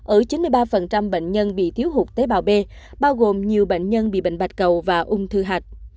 ở chín mươi ba bệnh nhân bị thiếu hụt tế bào b bao gồm nhiều bệnh nhân bị bệnh bạch cầu và ung thư hạch